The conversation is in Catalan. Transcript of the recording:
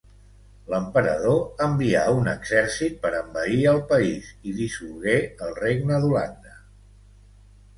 L'emperador envià un exercit per envair el país i dissolgué el Regne d'Holanda.